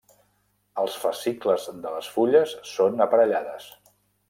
Els fascicles de les fulles són aparellades.